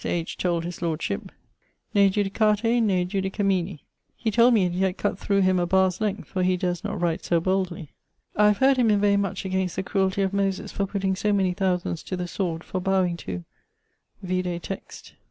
H. told his lordship: Ne judicate ne judicemini. He told me he had cut thorough him a barre's length, for he durst not write so boldly. I have heard him inveigh much against the crueltie of Moyses for putting so many thousands to the sword for bowing to ... vide text.